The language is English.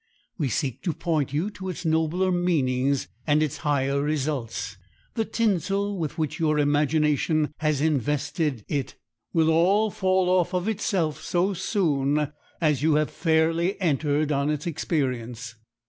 We seek to point you to its nobler meanings and its higher results. The tinsel with which your imagination has invested it will all fall off of itself so soon as you have fairly entered on its experience.